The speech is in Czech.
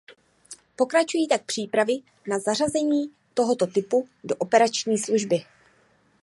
Pokračují tak přípravy na zařazení tohoto typu do operační služby.